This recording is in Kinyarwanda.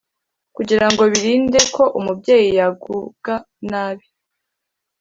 kugira ngo birinde ko umubyeyi yagubwa nabi